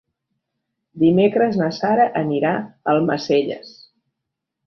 Dimecres na Sara anirà a Almacelles.